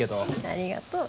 ありがとう。